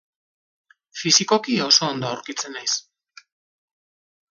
Fisikoki oso ondo aurkitzen naiz.